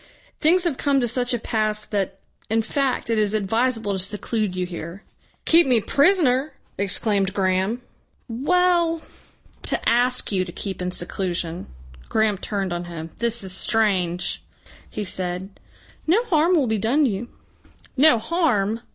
"Things have come to such a pass that, in fact, it is advisable to seclude you here." "Keep me prisoner!" exclaimed Graham. "Well to ask you to keep in seclusion." Graham turned on him. "This is strange!" he said. "No harm will be done you." "No harm!"